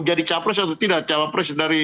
jadi capres atau tidak capres dari